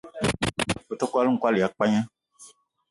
Me te kwal-n'kwal ya pagna